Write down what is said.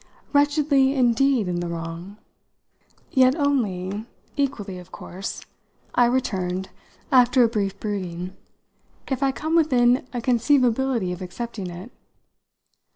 "Wretchedly indeed in the wrong!" "Yet only equally of course," I returned after a brief brooding, "if I come within a conceivability of accepting it.